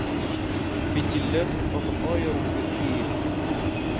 بتلاتٌ تتطاير في الريح.